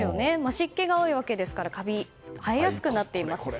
湿気が多いわけですからカビが生えやすくなっています。